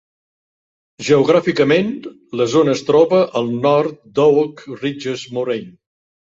Geogràficament, la zona es troba al nord d'Oak Ridges Moraine.